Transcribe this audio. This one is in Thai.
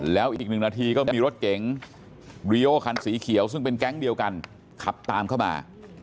แล้วอีกหนึ่งนาทีก็มีรถเก๋งรีโอคันสีเขียวซึ่งเป็นแก๊งเดียวกันขับตามเข้ามา